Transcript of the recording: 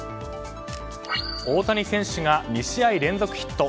大谷選手が２試合連続ヒット。